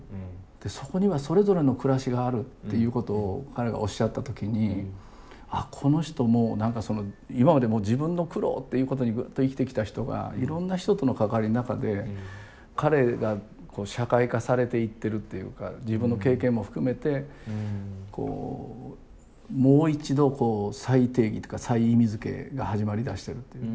そこにはそれぞれの暮らしがあるっていうことを彼がおっしゃった時にあっこの人も何かその今までも自分の苦労っていうことにずっと生きてきた人がいろんな人との関わりの中で彼が社会化されていってるというか自分の経験も含めてこうもう一度再定義というか再意味づけが始まりだしてる。